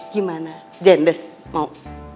gimana jendes mau